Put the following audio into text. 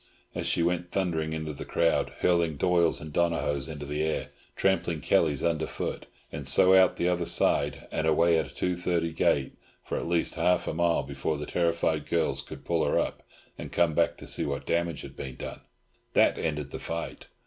as she went thundering into the crowd, hurling Doyles and Donohoes into the air, trampling Kellys under foot—and so out the other side, and away at a 2.30 gait for at least half a mile before the terrified girls could pull her up, and come back to see what damage had been done. That ended the fight.